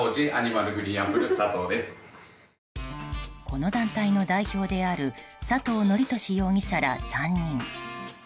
この団体の代表である佐藤徳壽容疑者ら３人。